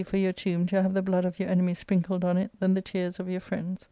—Book IK for your tomb to have the blood of your enemies sprinkled on it than the tears of your friends.'